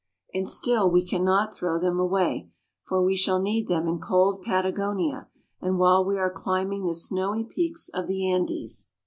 And still we cannot throw them away, for we shall need them in cold Patagonia and while we are climbing the snowy peaks of the Andes.